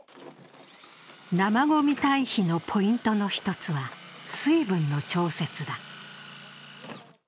生ごみ堆肥のポイントの一つは、水分の調節だ。